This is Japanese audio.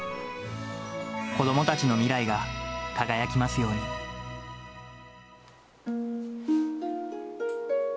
子どもたちの未来が輝きますように。